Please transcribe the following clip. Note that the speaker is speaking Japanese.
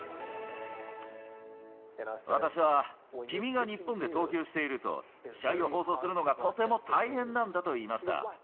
私は、君が日本で投球していると、試合を放送するのがとても大変なんだと言いました。